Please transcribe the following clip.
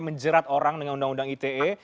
menjerat orang dengan undang undang ite